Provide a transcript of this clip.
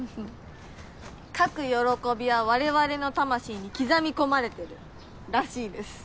描く喜びは我々の魂に刻み込まれてるらしいです。